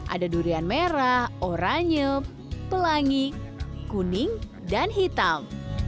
ada durian merah oranye pelangi kuning dan hitam